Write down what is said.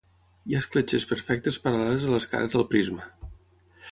Hi ha escletxes perfectes paral·leles a les cares del prisma.